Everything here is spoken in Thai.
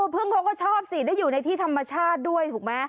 พึ่งเขาก็ชอบสิได้อยู่ในที่ธรรมชาติด้วยถูกไหม